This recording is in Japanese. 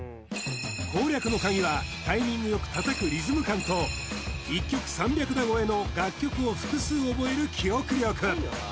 攻略のカギはタイミングよく叩くリズム感と１曲３００打超えの楽曲を複数覚える記憶力